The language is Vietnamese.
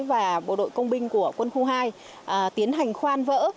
và bộ đội công binh của quân khu hai tiến hành khoan vỡ